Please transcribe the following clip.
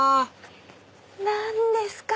何ですか